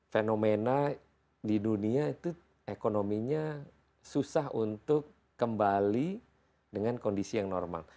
fenomena di dunia itu ekonominya susah untuk kembali dengan kondisi yang normal